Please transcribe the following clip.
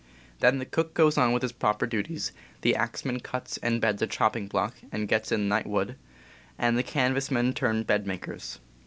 Then the cook goes on with his proper duties, the axeman cuts and beds a chopping block and gets in night wood, and the canvas men turn bed makers.